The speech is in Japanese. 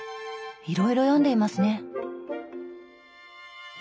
いろいろ読んでいますね。